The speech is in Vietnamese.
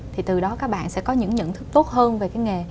thì từ đó các bạn sẽ có những nhận thức tốt hơn về cái nghề